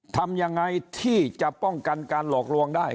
ทำยังไงที่จะป้องกันการหลอกลวงได้